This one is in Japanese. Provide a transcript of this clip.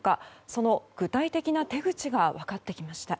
その具体的な手口が分かってきました。